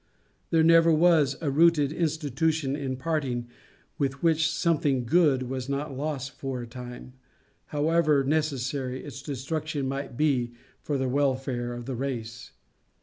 There never was a rooted institution in parting with which something good was not lost for a time, however necessary its destruction might be for the welfare of the race.